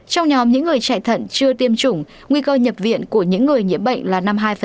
trong nhóm những người chạy thận chưa tiêm chủng nguy cơ nhập viện của những người nhiễm bệnh là năm mươi hai